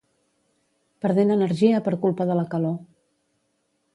Perdent energia per culpa de la calor.